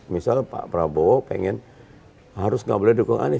misal pak prabowo pengen harus nggak boleh dukung anies